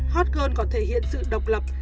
hot girl còn thể hiện sự độc lập